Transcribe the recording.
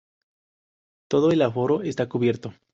Todo el aforo está cubierto.